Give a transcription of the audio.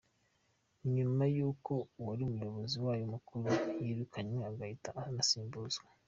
Ni nyuma y’uko uwari umuyobozi wayo mukuru yirukanywe agahita anasimbuzwa.